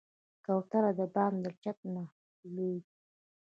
کوتره د بام له چت نه نه لوېږي.